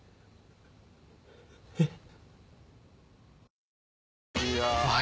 えっ？